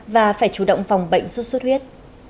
để chủ động phòng bệnh xuất xuất huyết